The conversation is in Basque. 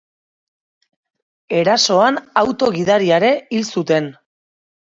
Erasoan auto gidaria ere hil zuten.